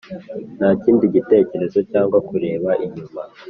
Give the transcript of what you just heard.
nta kindi gitekerezo cyangwa kureba inyuma.